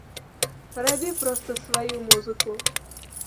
Рабі проста сваю музыку!